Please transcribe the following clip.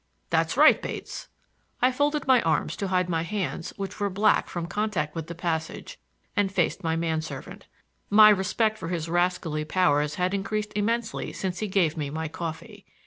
"That's right, Bates." I folded my arms to hide my hands, which were black from contact with the passage, and faced my man servant. My respect for his rascally powers had increased immensely since he gave me my coffee.